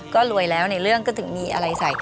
ก็รวยแล้วในเรื่องก็ถึงมีอะไรใส่